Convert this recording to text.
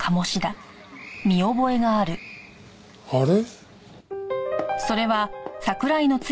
あれ？